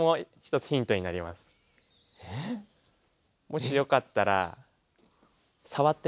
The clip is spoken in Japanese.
もしよかったらえっ？